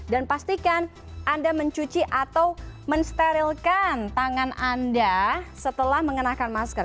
pastikan anda mencuci atau mensterilkan tangan anda setelah mengenakan masker